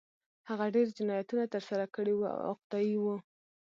هغه ډېر جنایتونه ترسره کړي وو او عقده اي و